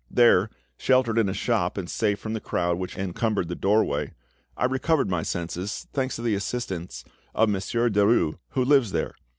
There, sheltered in a shop and safe from the crowd which encumbered the doorway, I recovered my senses, thanks to the assistance of Monsieur Derues, who lives there.